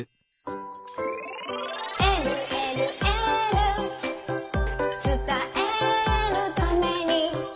「えるえるエール」「つたえるために」